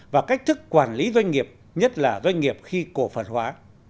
và cách thức quản lý doanh nghiệp nhất là doanh nghiệp khi cổ phần hóa